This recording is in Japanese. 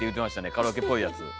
カラオケっぽいやつ。